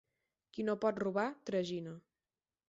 Qui no pot robar tragina.